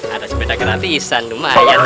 ada sepeda gratisan